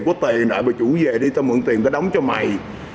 có tiền rồi bà chủ về đi ta mượn tiền ta đóng cho mày